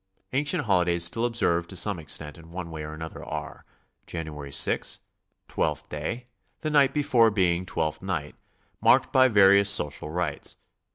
Ancient holidays still observed to some ex tent in one way or another are: January 6, Twelfth Day, the night before being Twelfth Night, marked by various social rites.